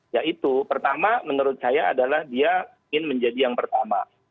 yaitu pertama menurut saya adalah dia ingin menjadi yang pertama